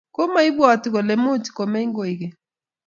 Kimaibwoti kole much komeny koekeny